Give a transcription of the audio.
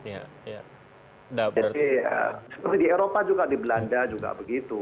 jadi seperti di eropa juga di belanda juga begitu